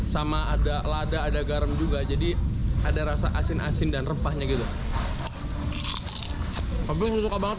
sama ada lada ada garam juga jadi ada rasa asin asin dan rempahnya gitu suka banget